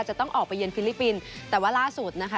จะต้องออกไปเยือนฟิลิปปินส์แต่ว่าล่าสุดนะคะ